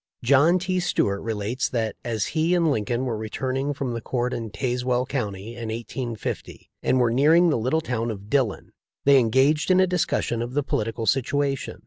John T. Stuart relates* that, as he and Lin coln were returning from the court in Tazewell county in 1850, and were nearing the little town of Dillon, they engaged in a discussion of the polit ical situation.